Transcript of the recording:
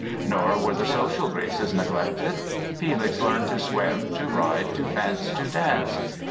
Nor were the social graces neglected. Felix learned to swim, to ride, to fence, to dance.